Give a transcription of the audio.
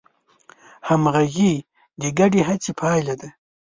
همغږي د ګډې هڅې پایله ده.